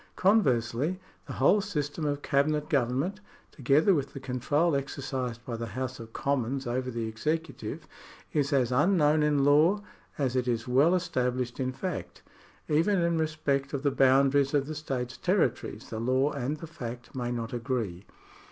Conversely, the whole system of cabinet government, together with the control exercised by the House of Commons over the executive, is as unknown in law as it is well established in fact. Even in respect of the boundaries of the state's territories the law and the fact may not agree.